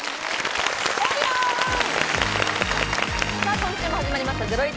今週も始まりました『ゼロイチ』。